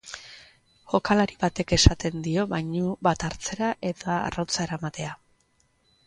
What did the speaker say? Jokalari batek esaten dio bainu bat hartzea eta arrautza eramatea.